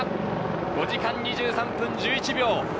５時間２３分１１秒。